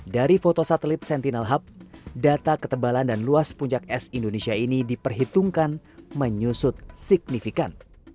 dari foto satelit sentinel hub data ketebalan dan luas puncak es indonesia ini diperhitungkan menyusut signifikan